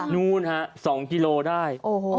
นู้นฮะ๒กิโลได้